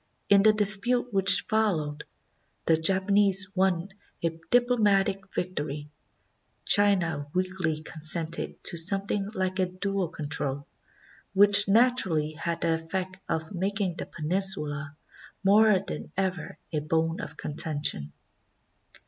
In the dispute which followed, the Japanese won a diplo matic victory; China weakly consented to something like a dual control, which naturally had the effect of making the peninsula more than ever a bone of conten tion.